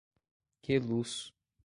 Queluz